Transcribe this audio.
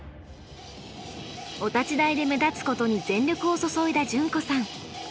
お立ち台で目立つことに全力を注いだ純子さん。